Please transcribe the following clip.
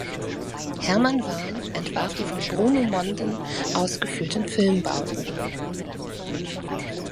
Hermann Warm entwarf die von Bruno Monden ausgeführten Filmbauten.